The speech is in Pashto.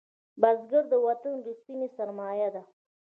بزګر د وطن ریښتینی سرمایه ده